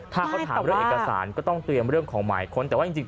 ถ้าเขาถามเรื่องเอกสารก็ต้องเตรียมเรื่องของหมายกล้อง